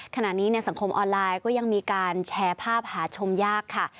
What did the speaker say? ขณะนี้ในสังคมออนไลน์ก็ยังมีการแชร์ภาพหาชมยากค่ะ